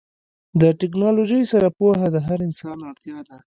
د ټیکنالوژۍ سره پوهه د هر انسان اړتیا ده.